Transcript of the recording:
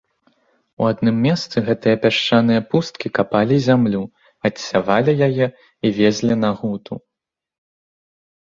У адным месцы гэтае пясчанае пусткі капалі зямлю, адсявалі яе і везлі на гуту.